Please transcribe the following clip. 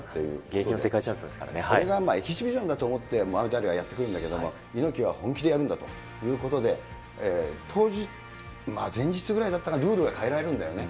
現役の世界チャンピオンですそれをエキシビションだと思って、アリはやって来るんだけど、猪木は本気でやるんだということで、当日、前日ぐらいだったかな、ルールが変えられるんだよね。